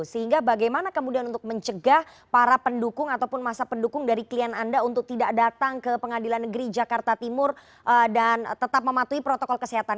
sehingga bagaimana kemudian untuk mencegah para pendukung ataupun masa pendukung dari klien anda untuk tidak datang ke pengadilan negeri jakarta timur dan tetap mematuhi protokol kesehatan